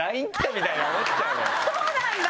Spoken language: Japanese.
そうなんだ！